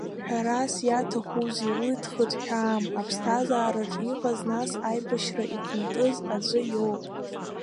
Ҳәарас иаҭахузеи, уи дхыҭҳәаам, аԥсҭазаараҿ иҟаз, нас аибашьра ихнатыз аӡәы иоуп.